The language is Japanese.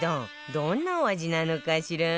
どんなお味なのかしら？